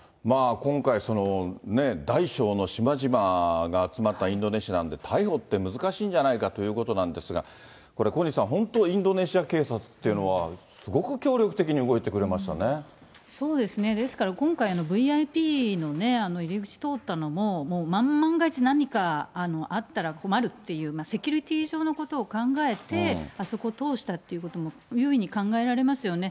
今回ね、大小の島々が集まったインドネシアなんで、逮捕って難しいんじゃないかということなんですが、これ、小西さん、本当、インドネシア警察というのは、すごく協力的に動いてくそうですね、ですから今回のＶＩＰの入り口通ったのも、もう万万が一何かあったら困るっていう、セキュリティー上のことを考えて、そこ通したというふうに考えられますよね。